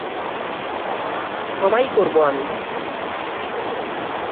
ক্ষমাই করব আমি।